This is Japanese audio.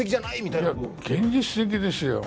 いや、現実的ですよ。